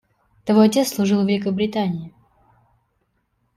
Твой отец служил Великобритании.